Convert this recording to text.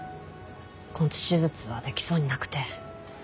根治手術はできそうになくて。